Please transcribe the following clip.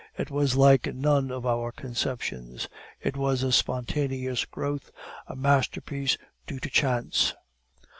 It was like none of our conceptions; it was a spontaneous growth, a masterpiece due to chance.